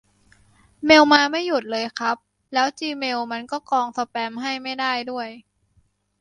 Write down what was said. เมลมาไม่หยุดเลยครับ แล้วจีเมลมันก็กรองสแปมให้ไม่ได้ด้วย